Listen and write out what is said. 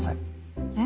えっ？